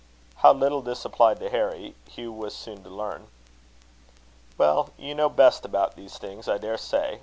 How little this applied to Harry, Hugh was soon to learn. "Well, you know best about these things, I daresay.